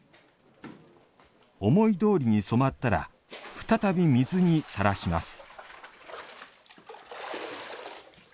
思いどおりに染まったら再び水にさらします。